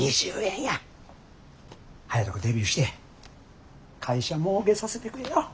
早いとこデビューして会社もうけさせてくれや。